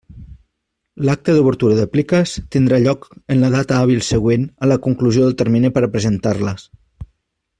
L'acte d'obertura de pliques tindrà lloc en la data hàbil següent a la conclusió del termini per a presentar-les.